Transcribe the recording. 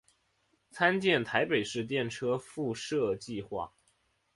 参见台北市电车敷设计画。